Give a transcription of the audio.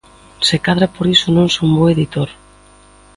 Se cadra por iso non son bo editor.